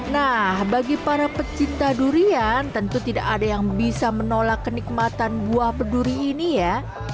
nah bagi para pecinta durian tentu tidak ada yang bisa menolak kenikmatan buah berduri ini ya